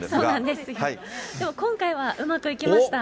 でも今回はうまくいきました。